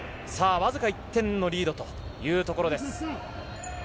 わずか１点のリードというところです。